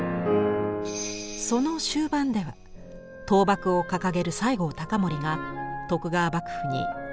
その終盤では倒幕を掲げる西郷隆盛が徳川幕府に大政奉還を迫ります。